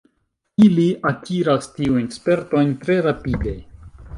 Ili akiras tiujn spertojn tre rapide.